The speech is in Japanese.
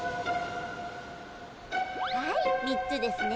はい３つですね。